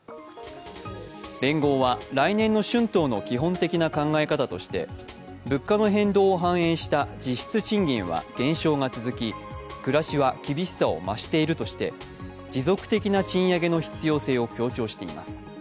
連合は来年の春闘の基本的な考え方として物価の変動を反映した実質賃金は減少が続き暮らしは厳しさを増しているとして、持続的な賃上げの必要性を強調しています。